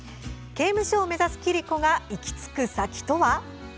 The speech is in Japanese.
刑務所を目指す桐子が行き着く先とは？